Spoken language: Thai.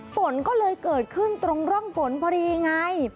ฝนก็เลยเกิดขึ้นตรงร่องฝนพอดีไง